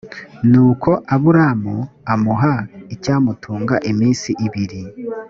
ni uko aburamu amuha icyamutunga iminsi ibiri